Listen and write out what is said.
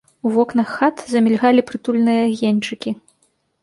У вокнах хат замільгалі прытульныя агеньчыкі.